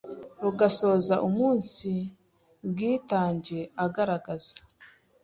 Rugasoza umunsi bwitange agaragaza